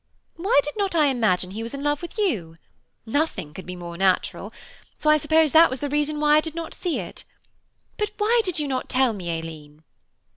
Why did not I imagine he was in love with you? nothing could be more natural, so I suppose that was the reason why I did not see it. But why did you not tell me, Aileen?"